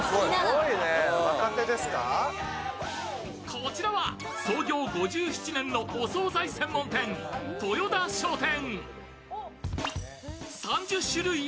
こちらは創業５７年のお総菜専門店豊田商店。